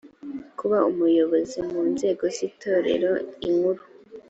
kuba umuyobozi mu nzego z itorero inkuru